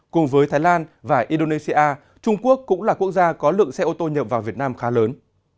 cùng với thái lan và indonesia trung quốc cũng là quốc gia có lượng xe ô tô nhập vào việt nam khá lớn